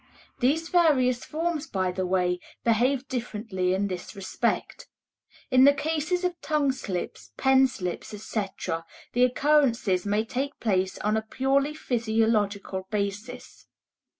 These various forms, by the way, behave differently in this respect. In the cases of tongue slips, pen slips, etc., the occurrences may take place on a purely physiological basis.